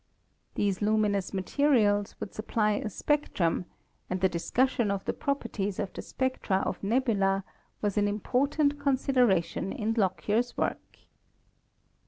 These luminous materials would supply a spec trum, and the discussion of the properties of the spectra of nebula was an important consideration in Lockyer's work.